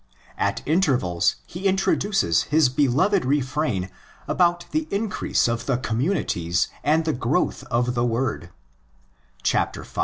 At intervals he introduces his beloved refrain about the increase of the communities and the growth of the word (v.